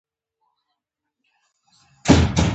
یوازې د هغو پرېکړو ملاتړ یې کاوه.